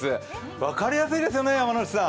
わかりやすいですよね、山内さん。